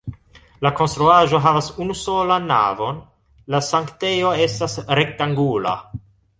La konstruaĵo havas unusolan navon, la sanktejo estas rektangula.